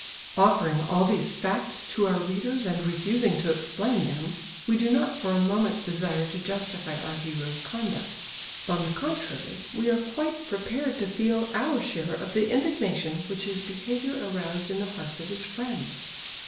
Offering all these facts to our readers and refusing to explain them, we do not for a moment desire to justify our hero's conduct. On the contrary, we are quite prepared to feel our share of the indignation which his behaviour aroused in the hearts of his friends.